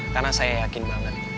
karena saya yakin banget